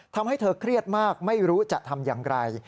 ทำให้เธอเครียดมากไม่รู้จะทำอย่างไร